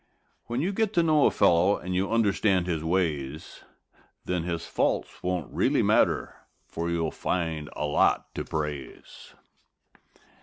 When you get to know a fellow and you understand his ways, Then his faults won't really matter, for you'll find a lot to praise.